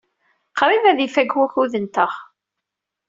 Qrib ad ifak wakud-nteɣ.